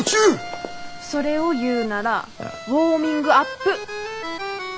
それを言うなら「ウォーミングアップ」！